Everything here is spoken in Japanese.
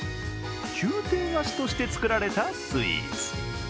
宮廷菓子として作られたスイーツ。